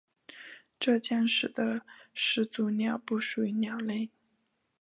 这将使得始祖鸟不属于鸟类。